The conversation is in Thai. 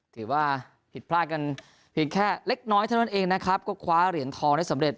ถือว่าผิดพลาดกันเพียงแค่เล็กน้อยเท่านั้นเองนะครับก็คว้าเหรียญทองได้สำเร็จ